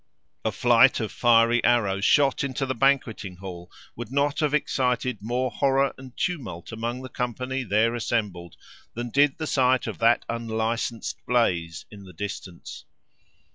A flight of fiery arrows, shot into the Banqueting Hall, would not have excited more horror and tumult among the company there assembled, than did the sight of that unlicensed blaze in the distance.